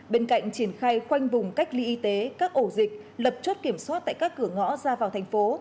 bên cạnh triển khai khoanh vùng cách ly y tế các ổ dịch lập chốt kiểm soát tại các cửa ngõ ra vào thành phố